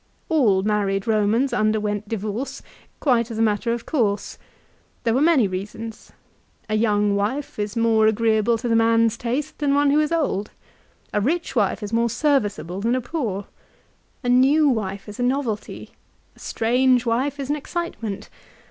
All married Romans underwent divorce, quite as a matter of course. There were many reasons. A young wife is more agreeable to the man's taste than one who is old. A rich wife is more serviceable than a poor. A new wife is a novelty. A strange wife is an excitement.